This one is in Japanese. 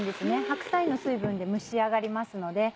白菜の水分で蒸し上がりますので。